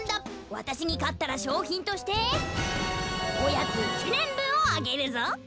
わたしにかったらしょうひんとしておやつ１ねんぶんをあげるぞ。